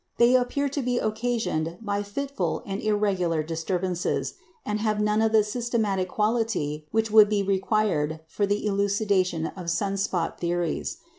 They appear to be occasioned by fitful and irregular disturbances, and have none of the systematic quality which would be required for the elucidation of sun spot theories.